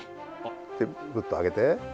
でグッと上げて。